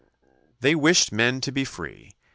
" They wished men to be free.